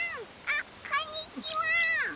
あっこんにちは！